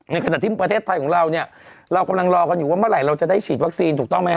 ในขณะที่ประเทศไทยของเราเนี่ยเรากำลังรอกันอยู่ว่าเมื่อไหร่เราจะได้ฉีดวัคซีนถูกต้องไหมฮ